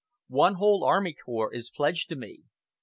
One whole army corps is pledged to me.